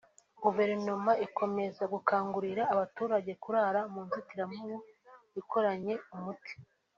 Guverinoma ikomeza gukangurira abaturage kurara mu nzitiramubu ikoranye umuti